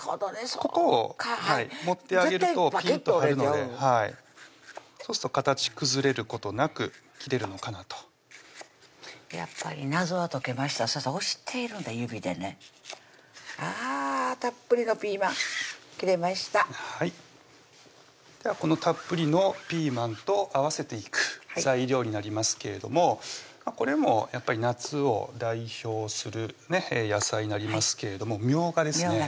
ここを持ってあげると絶対パキッと折れちゃうそうすると形崩れることなく切れるのかなとやっぱり謎は解けました先生押しているんだ指でねあたっぷりのピーマン切れましたではこのたっぷりのピーマンと合わせていく材料になりますけれどもこれもやっぱり夏を代表する野菜になりますけれどもみょうがですね